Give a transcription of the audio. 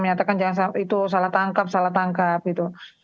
menyatakan jangan itu salah tangkap salah tangkap gitu